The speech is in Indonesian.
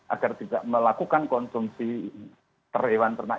agar tidak melakukan konsumsi terhewan ternak